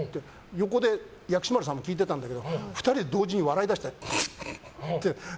横で薬師丸さんも聞いてたんだけど２人で同時に笑い出したよ。